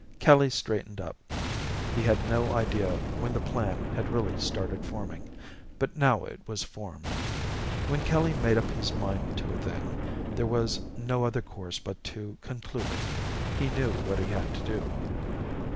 Kelly straightened up. He had no idea when the plan had really started forming, but now it was formed. When Kelly made up his mind to a thing, there was no other course but to conclude it. He knew what he had to do.